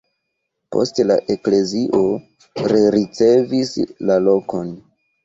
Poste la eklezio rericevis la lokon.